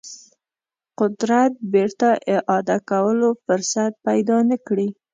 قدرت بیرته اعاده کولو فرصت پیدا نه کړي.